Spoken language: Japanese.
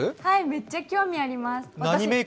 めっちゃ興味あります。